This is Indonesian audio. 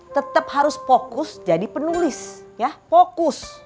tetap harus fokus jadi penulis ya fokus